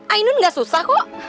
ainun gak susah kok